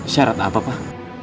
syarat apa pak